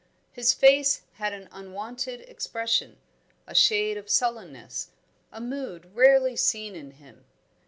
His face had an unwonted expression, a shade of sullenness, a mood rarely seen in him.